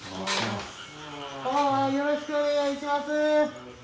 よろしくお願いします。